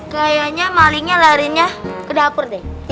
kayaknya malingnya larinya ke dapur deh